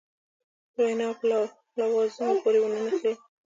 د ویناوو په لوازمو پورې ونه نښلم.